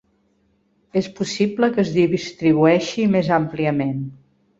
És possible que es distribueixi més àmpliament.